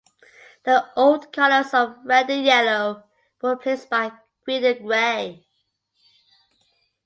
The old colors of red and yellow were replaced by green and grey.